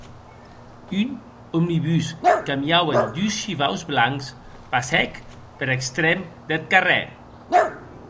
Un omnibus qu’amiauen dus shivaus blancs passèc per extrèm deth carrèr.